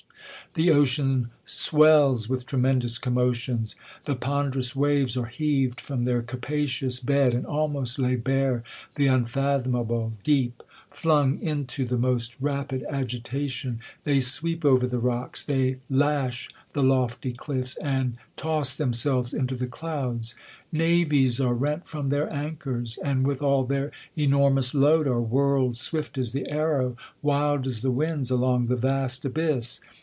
The ocean swells, with tremendous commotions. The ponderous weaves are heaved frdtn their capacious bed, and almost lay bare the unfathomable deep. Flung in^ to the most rapid agitation, they sweep over the rocks ; they lash the lofty cliffs, and toss themselves into the clouds. Navies are rent from their anchors ; and, with all their enormous load, are whirled swift as the arrow, wild as the winds, along the vast abyss.